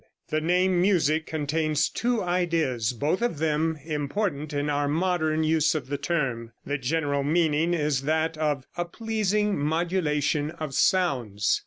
I. The name "music" contains two ideas, both of them important in our modern use of the term: The general meaning is that of "a pleasing modulation of sounds."